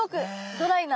ドライな。